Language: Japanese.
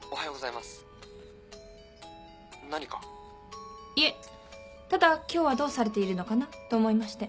いえただ今日はどうされているのかなと思いまして。